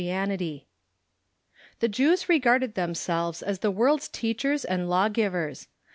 ] The Jews regarded themselves as the world's teachers and law givers.